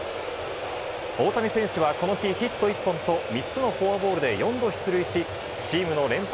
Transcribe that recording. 大谷選手はこの日、ヒット１本と３つのフォアボールで４度出塁し、チームの連敗